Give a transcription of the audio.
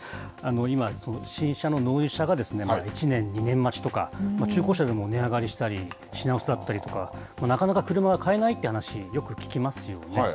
今、新車の納車が１年、２年待ちとか、中古車でも値上がりしたり、品薄だったりとか、なかなか車が買えないっていう話、よく聞きますよね。